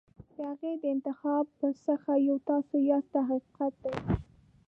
د هغې د انتخاب څخه یو تاسو یاست دا حقیقت دی.